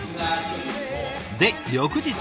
で翌日。